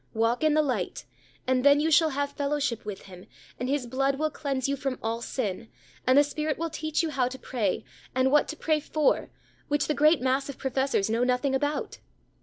Walk in the light, and then you shall have fellowship with Him, and His blood will cleanse you from all sin, and the Spirit will teach you how to pray, and what to pray for, which the great mass of professors know nothing about.